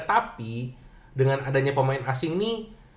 tapi dengan adanya pemain asing ini